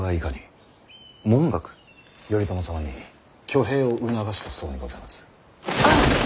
頼朝様に挙兵を促した僧にございます。